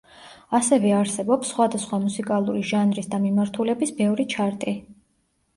ასევე არსებობს სხვადასხვა მუსიკალური ჟანრის და მიმართულების ბევრი ჩარტი.